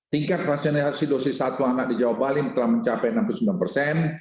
tingkat vaksinasi dosis satu anak di jawa bali telah mencapai enam puluh sembilan persen